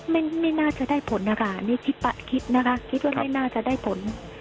ไม่ไม่น่าจะได้ผลนะคะนี่คิดนะคะคิดว่าไม่น่าจะได้ผล